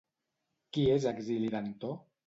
Qui és Exili Dantò?